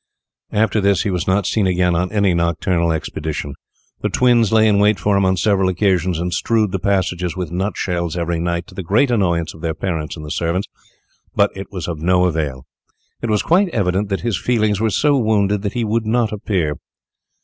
After this he was not seen again on any nocturnal expedition. The twins lay in wait for him on several occasions, and strewed the passages with nutshells every night to the great annoyance of their parents and the servants, but it was of no avail. It was quite evident that his feelings were so wounded that he would not appear.